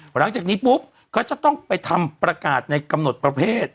หลังจากนี้ปุ๊บก็จะต้องไปทำประกาศในกำหนดประเภท